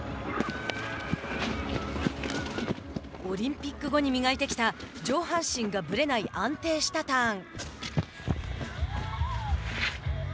オリンピック後に磨いてきた上半身がぶれない安定したターン。